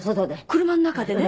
車の中でね。